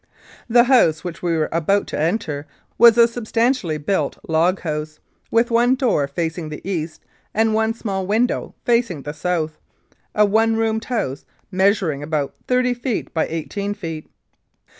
The house which we were about to enter was a sub stantially built log house, with one door facing the east, and one small window facing the south a one roomed house, measuring about thirty feet by eighteen feet.